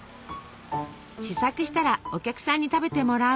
試作したらお客さんに食べてもらう。